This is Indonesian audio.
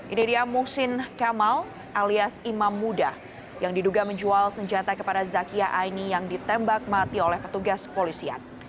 ini dia muhsin kamal alias imam muda yang diduga menjual senjata kepada zakia aini yang ditembak mati oleh petugas kepolisian